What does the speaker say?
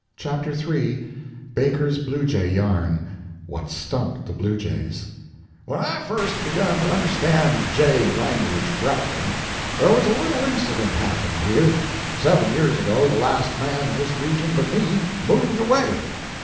CHAPTER III Baker's Bluejay Yarn [What Stumped the Blue Jays] "When I first begun to understand jay language correctly, there was a little incident happened here. Seven years ago, the last man in this region but me moved away.